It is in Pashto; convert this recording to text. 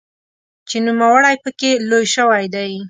چې نوموړی پکې لوی شوی دی.